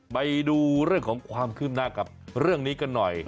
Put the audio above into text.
ไปดูเรื่องของความคืบหน้ากับเรื่องนี้กันหน่อย